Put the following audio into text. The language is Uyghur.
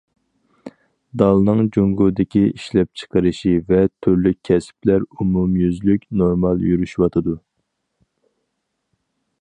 دالنىڭ جۇڭگودىكى ئىشلەپچىقىرىشى ۋە تۈرلۈك كەسىپلەر ئومۇميۈزلۈك نورمال يۈرۈشۈۋاتىدۇ.